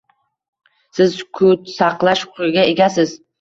«Siz sukut saqlash huquqiga egasiz.